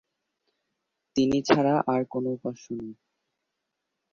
তিনি ছাড়া আর কোন উপাস্য নেই।